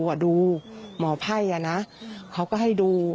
หมอดูหมอไพ่ะนะเขาก็ให้ดู